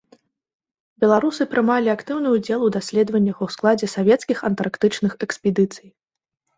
Беларусы прымалі актыўны ўдзел у даследваннях у складзе савецкіх антарктычных экспедыцый.